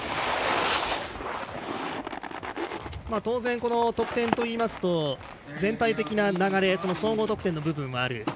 当然、得点でいいますと全体的な流れ総合得点の部分もある。